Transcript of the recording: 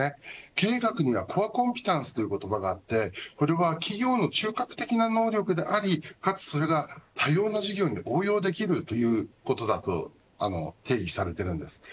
経営学にはコアコンピタンスという言葉があってこれは企業の中核的な能力でありかつ、それが多様な事業に応用できるということだと定義されています。